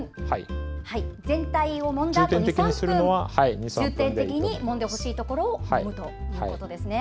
全体をもんだあと２３分重点的にもんでほしいところもむということですね。